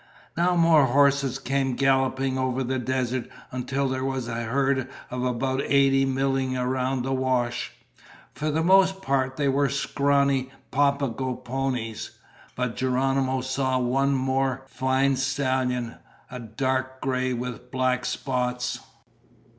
Now more horses came galloping over the desert until there was a herd of about eighty milling around in the wash. For the most part they were scrawny Papago ponies. But Geronimo saw one more fine stallion, a dark gray with black spots.